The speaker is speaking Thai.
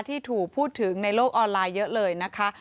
ที่ถูกพูดถึงในโลกออนไลน์เยอะเลยนะคะ